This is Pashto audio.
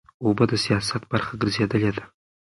اوبه د سیاست برخه ګرځېدلې ده.